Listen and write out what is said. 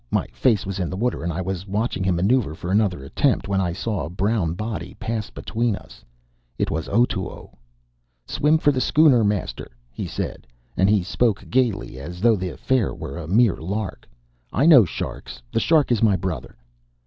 My face was in the water, and I was watching him manoeuvre for another attempt, when I saw a brown body pass between us. It was Otoo. "Swim for the schooner, master!" he said. And he spoke gayly, as though the affair was a mere lark. "I know sharks. The shark is my brother."